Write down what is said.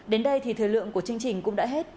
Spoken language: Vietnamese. đến đây thì thời lượng của chương trình cũng đã hết